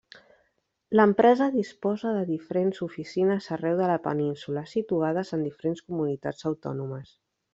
L'empresa disposa de diferents oficines arreu de la península, situades en diferents Comunitats Autònomes.